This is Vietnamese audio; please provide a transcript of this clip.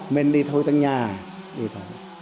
mình đi thôi tận nhà đi thôi